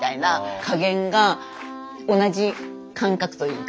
加減が同じ感覚というか。